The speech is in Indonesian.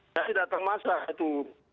terus masa itu saya datang masa itu